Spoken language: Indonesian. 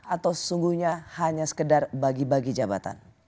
atau sesungguhnya hanya sekedar bagi bagi jabatan